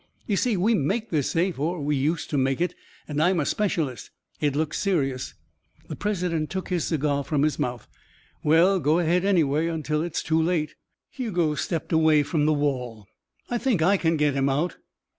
You see, we make this safe or we used to make it. And I'm a specialist. It looks serious." The president took his cigar from his mouth. "Well, go ahead anyway until it's too late." Hugo stepped away from the wall. "I think I can get him out."